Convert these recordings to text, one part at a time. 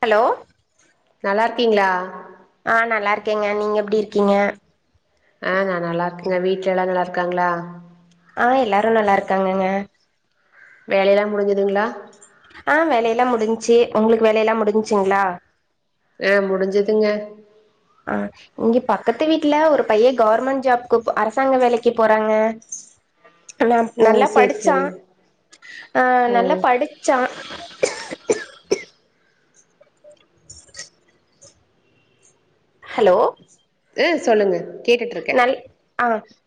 hello நல்லா இருக்கீங்களா ஆஹ் நல்லாயிருக்கேங்க நீங்க எப்டி இருக்கீங்க அங்க வீட்டுல எல்லா நல்லா இருக்காங்களா ஆஹ் எல்லாரும் நல்லா இருக்காங்கங்க வேலயெல்லாம் முடிஞ்சுதுங்களா ஆஹ் வேலையெல்லாம்முடிஞ்ச்சசி உங்களுக்கு வேலையெ எல்லாம் முடிஞ்ச்சிங்ளா ஆ முடிஞ்சதுங்க ஆஹ் இங்க பக்கத்து வீட்டுல ஒரு பையன் கவர்மெண்ட் ஜாப்கு அரசாங்க வேலைக்கு போறாங்க ஆ ஓ நல்லா சேரி படிச்சா சேரிங்க அஹ் ஓ நல்லா படிச்சா ஹலோ [inaudible] சொல்லுங்க கேட்டுட்ருக்கே நல் ஆ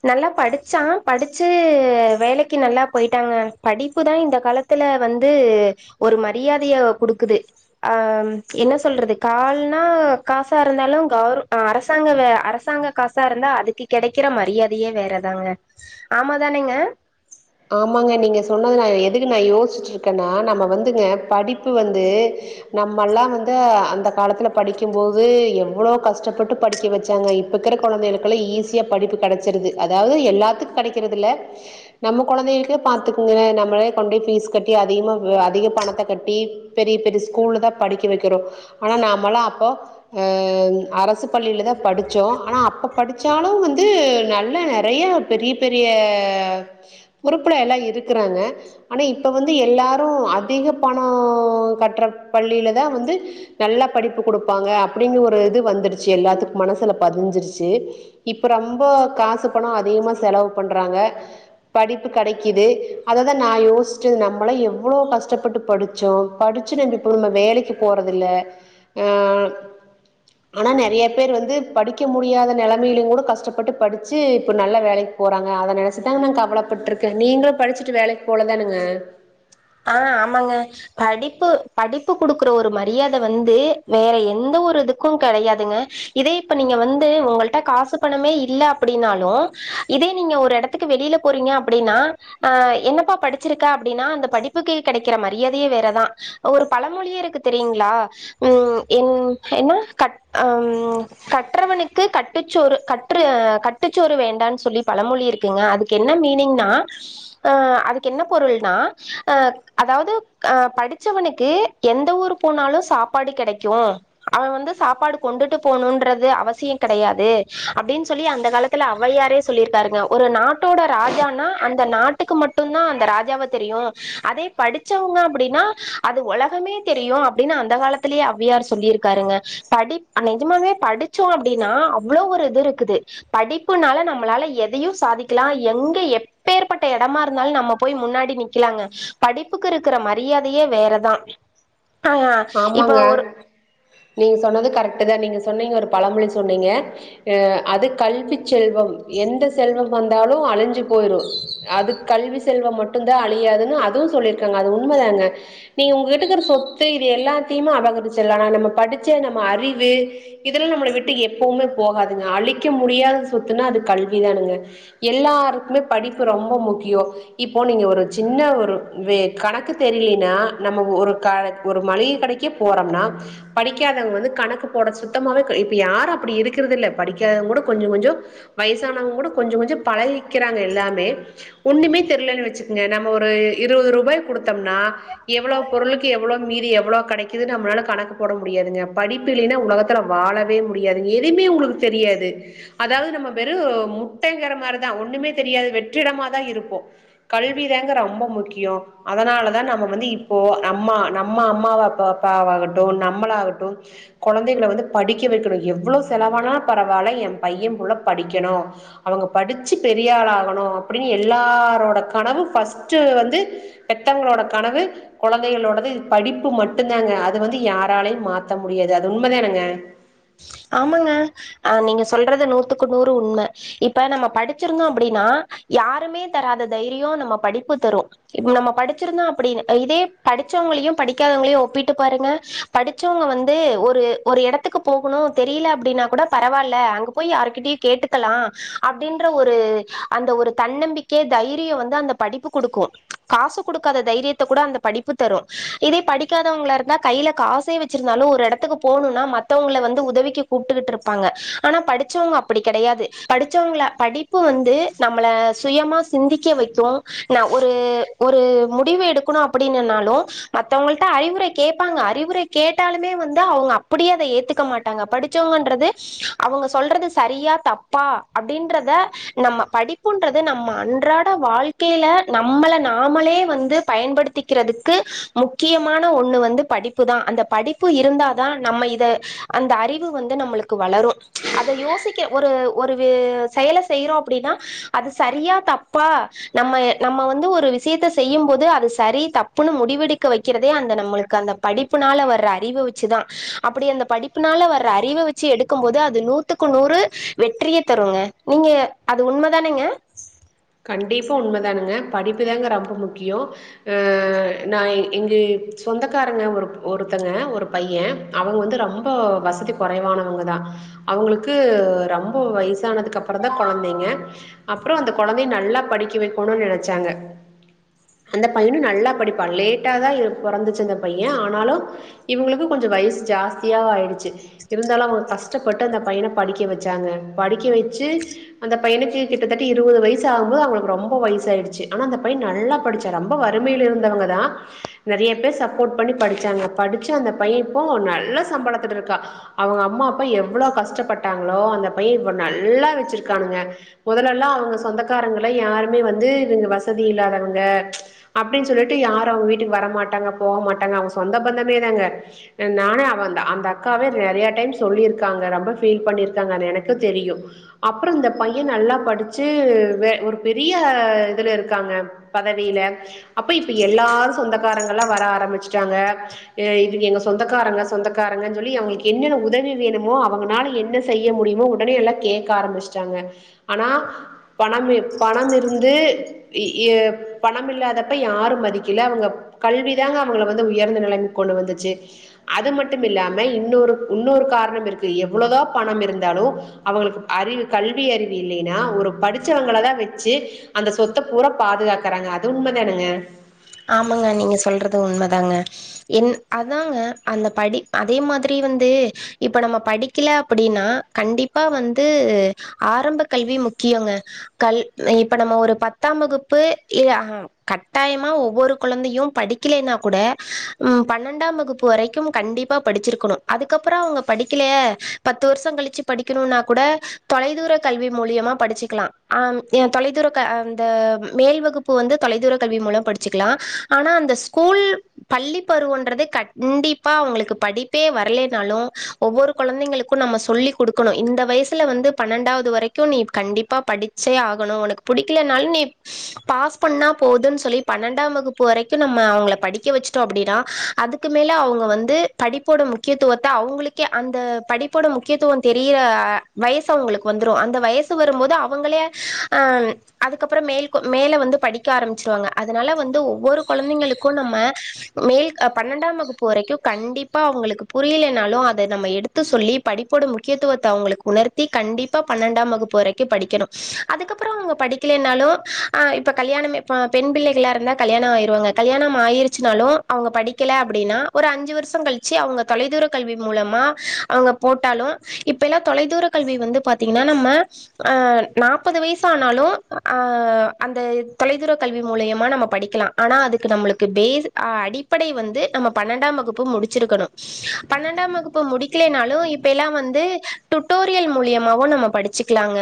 நல்லா படிச்சான் படிச்சு வேலைக்கு நல்லா போயிட்டாங்க படிப்புதான் இந்த காலத்துல வந்து ஒரு மரியாதையை கொடுக்குது அஹ் என்ன சொல்றது கால்னா காசா இருந்தாலும் கவுர் அரசாங்க அரசாங்க காசு சா இருந்தா அதுக்கு கெடைக்கிற மரியாதையே வேறதாங்க ஆமா தானேங்க ஆமாங்க நீங்க சொன்னது நான எதுக்கு நான யோசிச்சிட்டு இருக்கேன்னா நம்ம வந்துங்க படிப்பு வந்து நம்ம எல்லாம் வந்து அந்த காலத்துல படிக்கும் போது எவ்வளவு கஷ்டப்பட்டு படிக்க வச்சாங்க இப்ப இருக்கிற கெழந்தைகளுக்குெல்லாம் ஈஸியா படிப்பு கிடைச்சிருது அதாவது எல்லாத்துக்கும் கெடைக்கறதுல நம்மகெழந்தைகக்கே பாத்துக்குரேன் நம்மளே கொண்டுய் ஃபீஸ் கட்டி அதிகமாக அதிக பணத்த கட்டி பெரிய பெரிய ஸ்கூலில் தான் படிக்க வைக்கிறோம் ஆனா நம்மளா அப்போ அரசு பள்ளியில தான் படிச்சோம் ஆனா அப்போ படிச்சாலும் வந்து நல்ல நெறையா பெரிய பெரிய ஆஆ பொறுப்புல எல்லாம் இருக்குறாங்க ஆனா இப்ப வந்து எல்லாரும் அதிக பணம் கட்டுற பள்ளியிலதான் வந்து நல்லா படிப்பு குடுப்பாங்க அப்டின்னு ஒரு இது வந்துருச்சு எல்லாத்துக்கும் மனசுல பதிஞ்சிருச்சி இப்ப ரொம்ப காசு பணம் அதிகமா செலவு பண்றாங்க படிப்பு கெடைக்கிது அததான் நான் யோஸ்ட்து நம்மளாம் எவ்வளோ கஷ்டப்பட்டு படிச்சோம் படிச்சு நம்ம இப்போ நம்ம வேலைக்கு போறதில்ல ஹ ஆனா நெறைய பேர் வந்து படிக்க முடியாத நிலைமையிலும் கூட கஷ்டப்பட்டு படிச்சு இப்போ நல்ல வேலைக்கு போகறாங்க அத நெனச்சிதாங்க நாக கவல போட்டுருக்கே நீங்களும் படிச்சுட்டு வேலக்கு போலதானுங்க ஆ ஆமாங்க படிப்பு படிப்பு குடுக்குற ஒரு மரியாத வந்து வேற எந்த ஒரு இதுக்கும் கெடையாதுங்க இதே இப்ப நீங்க வந்து உங்கள்ட காசு பணமே இல்ல அப்டின்னாலும் இதே நீங்க ஒரு இடத்துக்கு வெளியில போறீங்க அப்டின்னா ஆ என்னப்பா படிச்சிருக்க அப்டின்னா அந்த படிப்பு க்கு கெடைக்கிற மரியாதையே வேறதான் ஒரு பழமொழியே இருக்கு தெரியுங்களா உம் என் என்ன க உஹம் கற்றவனுக்கு கட்டுச்சோறு கற்றுஹ கட்டுச்சோறு வேண்டான்னு சொல்லி பழமொழி இருக்குங்க அதுக்கு என்ன மீனிங்னா அ அதுக்கு என்ன பொருள்னா அஹ அதாவதுஹ படித்தவனுக்கு எந்த ஊர் போனாலும் சாப்பாடு கெடைக்கும் அவன் வந்து சாப்பாடு கொண்டுட்டு போணுன்றது அவசியம் கெடையாது அப்டின்னு சொல்லி அந்த காலத்து அவ்வையாரே சொல்லியிருக்காருங்க ஒரு நாட்டோட ராஜானா அந்த நாட்டுக்கு மட்டுதான் அந்த ராஜாவை தெரியும் அதே படிச்சவங்க அப்டின்னா அது உலகமே தெரியும் அப்படின்னு அந்த காலத்திலயே அவ்வியார் சொல்லியிருக்காருங்க படி நிஜமாவே படிச்சோம் அப்டின்னா அவ்வளவு ஒரு இது இருக்குது படிப்புனால நம்மளால எதையும் சாதிக்கலாம் எங்க எப்பேற்பட்ட இடமா இருந்தாலும் நம்ம போய் முன்னாடி நீ க்கலாங்க படிப்புக்கு இருக்கிற மரியாதையே வேறதான் ஆ இப்ப ஆமாங்க ஒரு நீங்க சொன்னது கரெக்ட் அத நீங்க சொன்னீங்க ஒரு பழமொழி சொன்னீங்க ஹா அது கல்விச் செல்வம் எந்த செல்வம் வந்தாலும் அழிஞ்சு போயிரும் அது கல்வி செல்வம் மட்டும் தான் அழியாதுன்னு அதுவும் சொல்லியிருக்காங்க அது உண்மதாங்க நீங்க உங்க கிட்ட இருக்கிற சொத்து இது எல்லாத்தமே அபகரிச்சலாம் ஆனா நம்ம படிச்ச நம்ம அறிவு இதெல்லாம் நம்மள விட்டு எப்பவுமே போகாதுங்க அழிக்க முடியாத சொத்துனா அது கல்விதானுங்க எல்லாருக்குமே படிப்பு ரொம்ப முக்கியம் இப்போ நீங்க ஒரு சின்ன ஒரு வெ கணக்கு தெரியிலேயினா நம்ம ஒரு ஒரு மளிகை கடக்கே போறோம்னா படிக்காதவங்க வந்து கணக்கு போட சுத்தமாவே இப்ப யாரும் அப்டி இருக்கிறது இல்ல படிக்காதவங்க கூட கொஞ்சம் கொஞ்சம் வயசானவங்க கூட கொஞ்ச கொஞ்சம் பழகிக்கிறாங்க எல்லாமே ஓண்ணுமே தெரியிலன்னு வச்சுக்கங்க நம்ம ஒரு இருபது ரூபாய் குடுத்தோம்னா எவ்ளோ பொருளுக்கு எவ்வளவு மீதி எவ்வளோ கிடைக்குது நம்மளால கணக்கு போட முடியாதுங்க படிப்பு இல்லைன்னா உலகத்துல வாழவே முடியாதுங்க எதுவுமே உங்களுக்கு தெரியாது அதாவது நம்ம வெறும் முட்டைங்கிற மாதிரிதான் ஒண்ணுமே தெரியாது வெற்றிடமா தான் இருப்போம் கல்விதாங்க ரொம்ப முக்கியோம் அதனாலதான் நம்ம வந்து இப்போ நம்ம நம்ம அம்மா அம்மாவ பாப்பாவகட்டும் நம்மளாகட்டும் கேழந்தைகல வந்து படிக்க வைக்கணும் எவ்வளோ செலவான பரவாயில்ல என் பையன்ள்ள படிக்கணும் அவங்க படிச்சு பெரியாள ஆகணும் அப்டின்னு எல்லாரோட கனவு பஸ்ட்டு வந்து பெத்தவங்களோட கனவு கெழந்தைகளோடது படிப்பு மட்டும் தாங்க அது வந்து யாராலயையும் மாத்த முடியாது அது உண்மதானானுங்க ஆமாங்க ஆஹ் நீங்க சொல்றது நூத்துக்கு நூறு உண்மை இப்ப நம்ம படிச்சிருந்தோம் அப்டின்னா யாருமே தராத தைரியம் நம்ம படிப்பு தரும் இப்ப நம்ம படிச்சிருந்தோம் அப் இதே படிச்சவங்களையும் படிக்காதவங்களையும் ஒப்பிட்டு பாருங்க படிச்சவங்க வந்து ஒரு ஒரு இடத்துக்கு போகணும் தெரியல அப்டின்னா கூட பரவாயில்ல அங்க போய் யாருகிட்டயும் கேட்டுக்கலாம் அப்படின்ற ஒரு அந்த ஒரு தன்னம்பிக்கை தைரியம் வந்து அந்த படிப்பு கொடுக்கும் காசு கொடுக்காத தைரியத்தை கூட அந்த படிப்பு தரும் இதே படிக்காதவங்கள இருந்தா கையில காசே வச்சிருந்தாலும் ஒரு இடத்துக்கு போகணும்னா மத்தவங்கள வந்து உதவி கூப்பிட்டு இருப்பாங்க ஆனா படிச்சவங்க அப்டி கெடையாது படிச்சவங்கள படிப்பு வந்து நம்மள சுயமா சிந்திக்க வைக்கும் நா ஒரு முடிவு எடுக்கணு அப்டினாலும் மத்தவங்க கிட்ட அறிவுரை கேப்பாங்க அறிவுரை கேட்டாலுமே வந்து அவங்க அப்டியே அத ஏத்துக்க மாட்டாங்க துடறது அவங்க சொல்றது சரியா தப்பா அப்டின்றத நம்ம படிப்புன்றது நம்ம அன்றாட வாழ்க்கையில நம்மள நாமளே வந்து பயன்படுத்திக்கிறதுக்கு முக்கியமான ஒண்ணு வந்து படிப்புதான் அந்த படிப்பு இருந்தாதான் நம்ம இத அந்த அறி வந்து நம்ம வளரும் அத யோசிக்க ஒரு ஒரு செயல செய்யறோம் அப்டின்னா அது சரியா தப்பா நம்ம நம்ம வந்து ஒரு விஷயத்த செய்யும் போது அது சரி தப்புன்னு முடிவெடுக்க வைக்கிறதே அந்த நம்மளுக்கு அந்த படிப்புனால வர அறிவ வச்சுதான் அப்டி அந்த படிப்புனால வர அறிவ வச்சு எடுக்கும்போது அது நூத்துக்கு நூறு வெற்றிய தருங்க நீங்க அது உண்மதானேங்க கண்டிப்பா உண்மைதானுங்க படிப்புதாங்க ரொம்ப முக்கியோம் அஹ் நான் எங்க சொந்தக்காரங்க ஒரு ஒருத்தங்க ஒரு பையன் அவங்க வந்து ரொம்ப வசதி குறைவானவங்கதான் அவங்களுக்கு ரொம்ப வயசானதுக்கு அப்புறம் தான் கொழந்தைங்க அப்புறம் அந்த கெழந்தையா நல்லா படிக்க வைக்கணும் நினைச்சாங்க அந்த பையனும் நல்லா படிப்பான் லேட்ட தான் பறந்துச்சு அந்த பையன் ஆனாலும் இவங்களுக்கு கொஞ்சம் வயசு ஜாஸ்தியா ஆயிடுச்சு இருந்தாலும் அவங்க கஷ்டப்பட்டு அந்த பையன படிக்க வச்சாங்க படிக்க வச்சு அந்த பையனுக்கு கிட்டத்தட்ட இருபது வய சாகுது அவளுக்கு ரொம்ப வயசு ஆயிடுச்சு ஆனா அந்த பையன் நல்லா படிச்ச ரொம்ப வறுமையில இருந்தவங்க தான் நெறைய பேர் சப்போ்ட் பண்ணி படிச்சாங்க படிச்ச அந்த பையன் இப்போ நல்ல சம்பளத்துல்லயிருக்கா அவங்க அம்மா அப்பா எவளோ கஷ்டப்பட்டாங்களோ அந்த பையன் நல்லா வச்சிருக்குங்க முதலெல்லாம் அவங்க சொந் க்காரங்கல யாருமே வந்து இவங்க வசதி இல்லாதவங்க அப்டின்னு சொல்லிட்டு யாரும் அவங்க வீட்டுக்கு வர மாட்டாங்க போக மாட்டாங்க அவங்க சொந்த பந்தமே தாங்க நானு அவந்த அந்த அக்காவே நெறைய டைம் சொல்லியிருக்காங்க ரொம்ப ஃபீல் பண்ணிருக்காங்க எனக்கு தெரியும் அப்பறம் இந்த பையன் நல்லா படிச்சு ஒரு பெரிய இதுல இருக்காங்க பதவியில அப்ப இப்ப எல்லாரும் சொந்தக்காரங்கல எல்லாம் வர ஆரம்பிச்சுட்டாங்க அஹ் இவங்க எங்க சொந்தக்காரங்க சொந்தக்காரங்கன்னு சொல்லி அவங்களுக்கு என்னென்ன உதவி வேணுமோ அவங்கனால என்ன செய்ய முடியுமோ உடனே எல்லாம் கேட்க ஆரம்பிச்சுட்டாங்க ஆனா பணம் பணம் இருந்து பணம் இல்லாதப்ப யாரும் மதிக்கில அவங்க கல்வி தாங்க அவங்கள வந்து உயர்ந்த நிலைமைக் கொண்டு வந்துச்சு அத மட்டும் இல்லாம இன்னொரு இன்னொரு காரணம் இருக்கு எவ்வளோதா பணம் இருந்தாலும் அவங்களுக்கு அறிவு கல்வி அறிவு இல்லைன்னா ஒரு ச்சு அந்த சொத்த பூரா பாதுகாக்கறாங்க அது உண்ம தானாங்க ஆமாங்க நீங்க சொல்றது உண்மைதாங்க என் அதாங்க அந்த படி அதே மாதிரி வந்து இப்ப நம்ம படிக்கல அப்புடின்னா கண்டிப்பா வந்து ஆரம்ப கல்வி முக்கியோங்க கல் இப்ப நம்ம ஒரு பத்தாம் வகுப்புஹ இல்லயா கட்டாயமா ஒரு குழந்தையு படிக்கலன்னா கூட பன்னெண்டாம் வகுப்பு வரைக்கும் கண்டிப்பா படிச்சிருக்கணு அதுக்கப்புற அவங்க படிக்கல பத்து வருஷ கழிச்சு படிக்கணும்னா கூட தொலைதூர கல்வி மூலியமா படிச்சுக்கலா தொலைதூர அ மேல் வகுப்பு வந்து தொலைதூர கல்வி மூலம் படி ச்சிக்கல ஆனா அந்த ஸ்கூல் பள்ளி பருவன்றது கண்டிப்பா அவங்களுக்கு படிப்பே வரலனாலு ஒவ்வொரு குழந்தைங்களுக்கு நம்ம சொல்லி கொடுக்கணும் இந்த வயசுல வந்து பன்னெண்டாவது வரைக்கு நீ கண்டிப்பா படிச்சே ஆகணும் உனக்கு படிக்கலனாலு நீ பாஸ் பண்ணா போதுன்னு சொல்லி பன்னெண்டாம் வகுப்பு வரைக்கும் நம்ம அவங்கள படிக்க வச்சுட்டோ அப்படின்னா அதுக்கு மேல அவங்க வந்து படிப்போட முக்கியத்துவத்தை அவங்களுக்கே அந்த படிப்போட முக்கியத்துவ தெரியிற வயசு அவங்களுக்கு வந்துடும் அந்த வயசு வரும்போது அவங்களே அஹ அதுக்கப்புறம் மேல மேலே வந்து படிக்க ஆரம்பிச்சிருவாங்க அதுனால வந்து ஒவ்வொரு குழந்தைங்களுக்கு நம்ம மேல் பன்னெண்டாம் வகுப்பு வரைக்கும் கண்டிப்பா அவங்களுக்கு புரியலைனாலு அதை நம்ம எடுத்து சொல்லி படிப்போட முக்கியத்துவத்த அவங்களுக்கு உணர்த்தி கண்டிப்பா பன்னெண்டாம் வகுப்பு வரைக்கும் படிக்கணும் அதுக்கப்புறம் அவங்க படிக்கலனாலும்ஹ இப்ப கல்யாணம்ப்ப பெண் பிள்ளைகளா இருந்தா கல்யாணம் ஆயிருவாங்க கல்யாணம் ஆயிருச்சுனாலும் அவங்க படிக்கல அப்படின்னா ஒரு அஞ்சு வருஷம் கழிச்சு அவங்க தொலைதூர கல்வி மூலமா அவங்க போட்டாலும் இப்பல்லாம் தொலைதூர கல்வி வந்து பாத்தீங்கன்னா நம்ம அஹ நாற்பது வயசு ஆனாலு அஹ அந்த தொலைதூர கல்வி மூலையமா நம்ம படிக்கல ஆனா அதுக்கு நம்முலுக்கு பஸ் அடிப்படை வந்து நம்ம பண்டாம் வகுப்பு முடிருக்குனு பண்டாம் வகுப்பு முடிக்காலனாலு இப்பல்ல வந்து தூட்டோரியல் மூளியமவோ நம்ம படிச்சுக்கலாக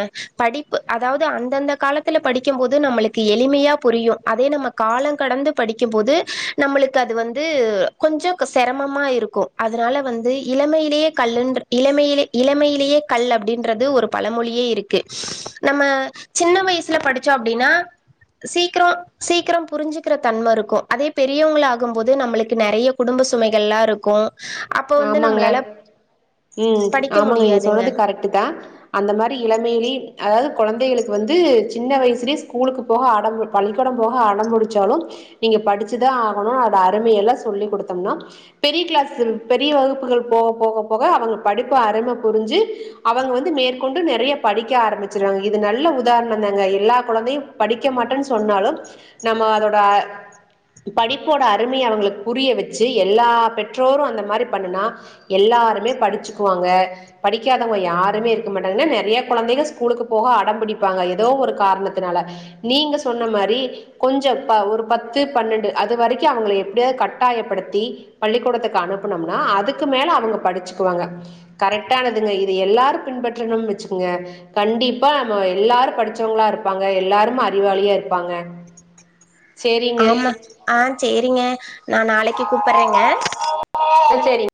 அதாவது அந்தந்த காலத்து படிக்கும் போது நமளுக்கு எளிமையா புரியு அதே நம்ம காலம் கடந்து படிக்கும்போது நம்மளுக்கு அது வந்து கொஞ்ச சிரமமா இருக்கும் அதனால வந்து இளமையிலேயே கல் இளமையிலே - இளமையிலேயே கல் அப்படின்றது ஒரு பலமொழியே இருக்கு நம்ம சின்ன வயசுல படிச்சோம் அப்படின்னா சீக்கிரோம் சீக்கிரோம் புரிஞ்சுக்கிற தன்மை இருக்கும் அதே பெரியவங்கள ஆகும் போது நம்மளுக்கு நிறைய குடும்ப சுமைகள்லா இருக்கும் ஆமாங்க ம் படிக்க ஆமாங்க நீங்க முடியாதுங்க சொன்னது கரெக்ட் தான் அந்த மாதிரி இளமையலே அதாவது குழந்தைகளுக்கு வந்து சின்ன வயசுலயே ஸ்கூலுக்கு போகட பள்ளிக்கூட போக ஆடம்படிச்சாலு நீங்க படிச்சதான் ஆகணு அருமையல்லா சொல்லிகொடுத்தம் நா பெரிய கிளாஸ் பெரிய வகுப்புகள் போக போக போக அவங்க படிப்பு அருமை புரிஞ்சு அவங்க வந்து மேற்கொண்டு நிறைய படிக்க ஆரம்பிச்சறாங்க இது நல்ல உதாரணம் தாங்க எல்லா குழந்தையும் படிக்க மாட்டேன்னு சொன்னாலு நம்ம அதோட படிப்போட அருமையை அவங்களுக்கு புரிய வச்சு எல்லா பெற்றோரு அந்த இந்த மாரி பன்னுனா எல்லாருமே படிச்சுக்குவாங்க படிக்காதவங்க யாருமே இருக்க மாட்டாங்கா நெறைய குழந்தைங்க ஸ்கூலுக்கு போக அடம் பிடிப்பாங்க ஏதோ ஒரு காரணத்தினால நீங்க சொன்ன மாரி கொஞ்சம் ஒரு பத்து பன்னெண்டு அது வரைக்கும் அவங்கள எப்டியாது கட்டாயப்படுத்தி பள்ளிக்கூடத்துக்கு அனு இப்பனம்னா அதுக்கு மேல அவங்க படிச்சுக்குவாங்க கரெக்டானதுங்க இது எல்லாரும் பின்பற்றணும் வச்சுங்க கண்டிப்பா நம்ம எல்லாரும் படிச்சவங்களா இருப்பாங்க எல்லாரும் அறிவாளியா இருப்பாங்க சேரிங்க ஆமா ஆஹ் செரிங்க நான் நாளைக்கு கூப்பறேங்க சேரிங்க